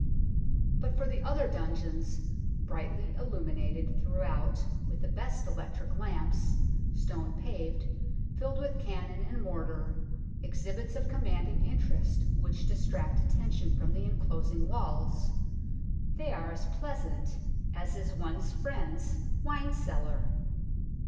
But for the other dungeons, brightly illuminated throughout with the best electric lamps, stone paved, filled with cannon and mortar, exhibits of commanding interest which distract atten tion from the enclosing walls they are as pleasant as is one's friend's wine cellar.